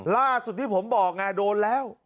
ล่าสุดที่ผมบอกไงโดนแล้ว